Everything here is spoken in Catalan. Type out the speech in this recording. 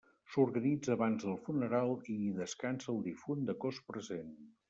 S'organitza abans del funeral i hi descansa el difunt de cos present.